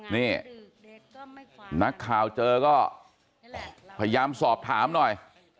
นี่นักข่าวเจอก็พยายามสอบถามหน่อย